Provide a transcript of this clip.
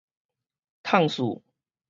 簞笥